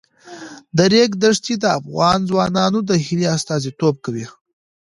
د ریګ دښتې د افغان ځوانانو د هیلو استازیتوب کوي.